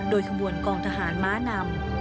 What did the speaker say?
โดยขบวนกองทหารม้านำ